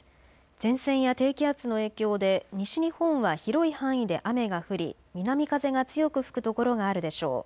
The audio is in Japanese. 前線や低気圧の影響で西日本は広い範囲で雨が降り、南風が強く吹く所があるでしょう。